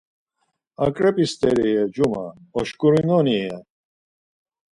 Aǩrep̌i steri re Cuma, oşkurinoni re!